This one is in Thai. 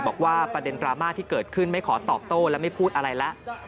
ประเด็นดราม่าที่เกิดขึ้นไม่ขอตอบโต้และไม่พูดอะไรแล้ว